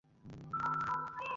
নিয়ে যাও একে!